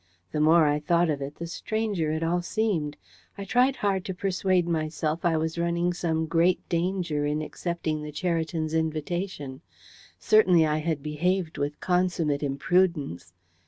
The more I thought of it, the stranger it all seemed. I tried hard to persuade myself I was running some great danger in accepting the Cheritons' invitation. Certainly, I had behaved with consummate imprudence.